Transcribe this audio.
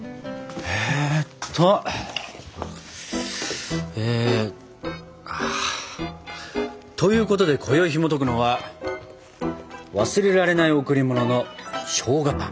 えっと。ということでこよいひもとくのは「わすれられないおくりもの」のしょうがパン。